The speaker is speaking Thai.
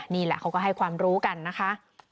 นี่แหละเขาก็ให้ความรู้กันนะคะ